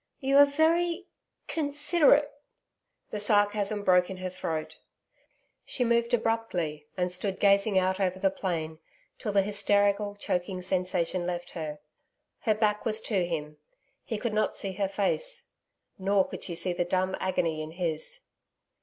'You are very considerate....' The sarcasm broke in her throat. She moved abruptly, and stood gazing out over the plain till the hysterical, choking sensation left her. Her back was to him. He could not see her face; nor could she see the dumb agony in his.